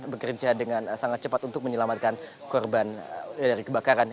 bekerja dengan sangat cepat untuk menyelamatkan korban dari kebakaran